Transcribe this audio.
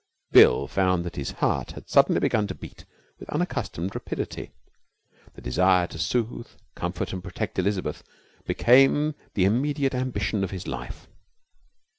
Bill found that his heart had suddenly begun to beat with unaccustomed rapidity. The desire to soothe, comfort, and protect Elizabeth became the immediate ambition of his life.